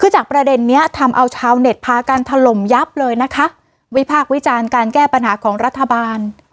คือจากประเด็นนี้ทำเอาชาวเน็ตพากันถล่มยับเลยนะคะวิพากษ์วิจารณ์การแก้ปัญหาของรัฐบาล